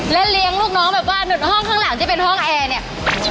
และเลี้ยงลูกน้องแบบว่าหนุดห้องข้างหลังที่เป็นห้องแอร์เนี่ย